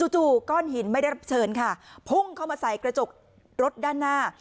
จู่ก้อนหินไม่ได้รับเชิญค่ะพุ่งเข้ามาใส่กระจกรถด้านหน้า